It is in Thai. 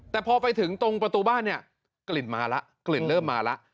แต่พอไปถึงตรงประตูบ้านเนี่ยกลิ่นมาแล้วกลิ่นเริ่มมาแล้ว